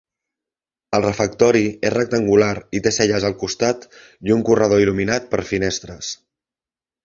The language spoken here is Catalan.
El refectori és rectangular i té celles al costat i un corredor il·luminat per finestres.